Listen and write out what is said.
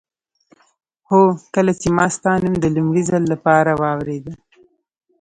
هو کله چې ما ستا نوم د لومړي ځل لپاره واورېده.